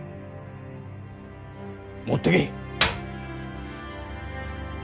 持っていけ。